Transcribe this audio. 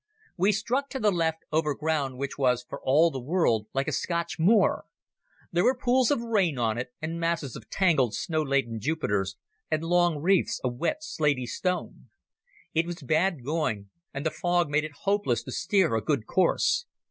We struck to the left, over ground which was for all the world like a Scotch moor. There were pools of rain on it, and masses of tangled snow laden junipers, and long reefs of wet slaty stone. It was bad going, and the fog made it hopeless to steer a good course.